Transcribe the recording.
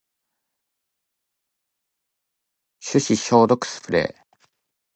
手指消毒スプレー